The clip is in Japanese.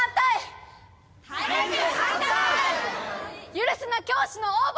許すな教師の横暴！